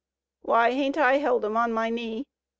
Why, hain't I held 'em on my knee?